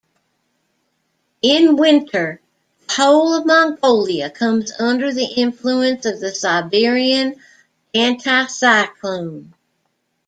In winter the whole of Mongolia comes under the influence of the Siberian Anticyclone.